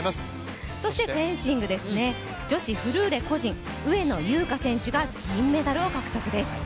そしてフェンシング、女子フルーレ個人上野優佳選手が銀メダルを獲得です。